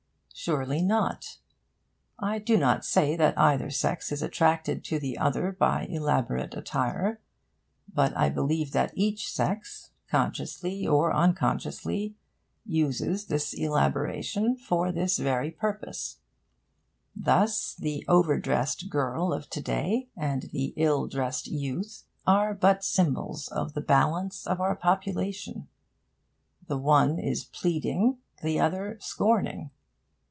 Surely not. I do not say that either sex is attracted to the other by elaborate attire. But I believe that each sex, consciously or unconsciously, uses this elaboration for this very purpose. Thus the over dressed girl of to day and the ill dressed youth are but symbols of the balance of our population. The one is pleading, the other scorning.